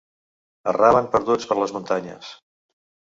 Erraven perduts per les muntanyes.